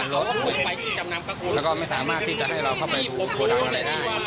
แล้วก็ไม่สามารถที่จะให้เราเข้าไปดูโปรดังอะไรได้